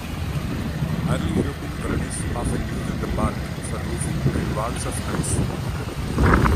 Early European colonists often used the bark for roofing and walls of huts.